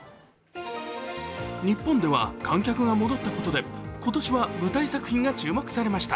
日本では観客が戻ったことで今年は舞台作品が注目されました。